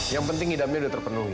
yang penting ngidamnya udah terpenuhi